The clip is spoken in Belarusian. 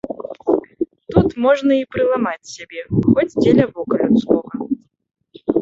Тут можна і прыламаць сябе, хоць дзеля вока людскога.